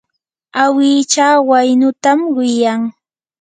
awicha waynutam wiyan.